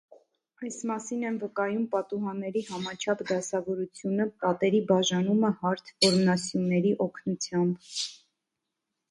Այս մասին են վկայում պատուհանների համաչափ դասավորությունը, պատերի բաժանումը հարթ որմնասյուների օգնությամբ։